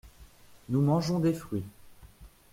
Nous mangeons des fruits.